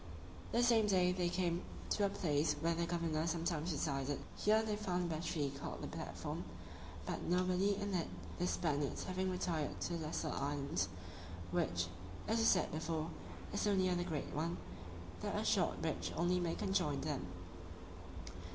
The same day they came to a place where the governor sometimes resided: here they found a battery called the Platform, but nobody in it, the Spaniards having retired to the lesser island, which, as was said before, is so near the great one, that a short bridge only may conjoin them.